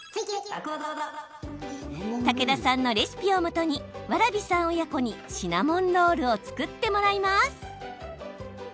武田さんのレシピをもとに蕨さん親子にシナモンロールを作ってもらいます。